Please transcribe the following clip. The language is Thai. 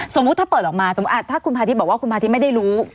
สมมุติถ้าเปิดออกมาสมมุติถ้าคุณพาทิตยบอกว่าคุณพาทิตย์ไม่ได้รู้